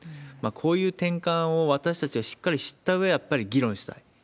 こういう転換を私たちがしっかり知ったうえ、やっぱり議論したい。